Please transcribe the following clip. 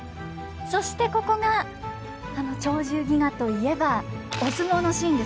そしてここが「鳥獣戯画」といえばお相撲のシーンですね。